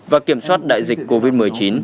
và kiểm soát đại dịch covid một mươi chín